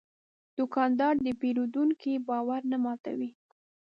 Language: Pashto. دوکاندار د پېرودونکي باور نه ماتوي.